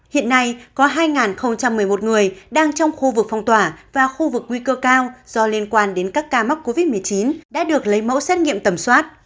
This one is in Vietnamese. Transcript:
hiện nay có hai một mươi một người đang trong khu vực phong tỏa và khu vực nguy cơ cao do liên quan đến các ca mắc covid một mươi chín đã được lấy mẫu xét nghiệm tầm soát